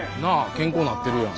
健康なってるやん。